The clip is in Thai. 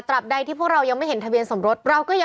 รับใดที่พวกเรายังไม่เห็นทะเบียนสมรส